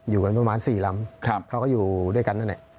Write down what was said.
อยู่กันประมาณสี่ลำครับเขาก็อยู่ด้วยกันนั่นเนี้ย